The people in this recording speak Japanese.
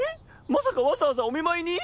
まさかわざわざお見舞いに！？